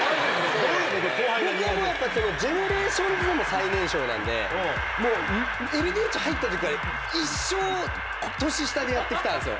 僕はもうやっぱＧＥＮＥＲＡＴＩＯＮＳでも最年少なんで、もう、ＬＤＨ入ったときから、一生、年下でやってきたんですよ。